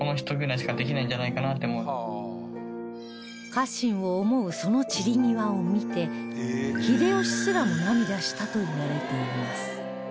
家臣を思うその散り際を見て秀吉すらも涙したといわれています